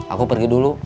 aku pergi dulu